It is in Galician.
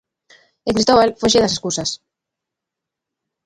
E Cristóbal foxe das escusas.